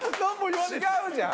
違うじゃん！